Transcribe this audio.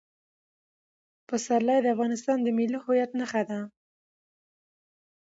پسرلی د افغانستان د ملي هویت نښه ده.